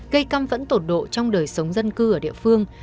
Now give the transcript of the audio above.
cây căm vẫn tổn độ trong đời sống dân cư ở địa phương